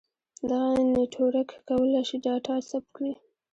دغه نیټورک کولای شي ډاټا ثبت کړي.